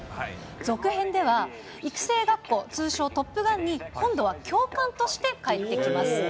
続編では、育成学校、通称トップガンに、今度は教官として帰ってきます。